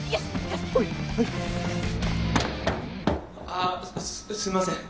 あっすいません。